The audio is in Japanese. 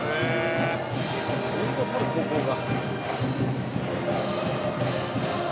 「そうそうたる高校が」